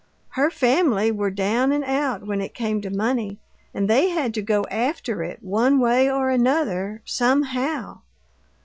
Her family were down and out when it came to money and they had to go after it, one way or another, SOMEHOW!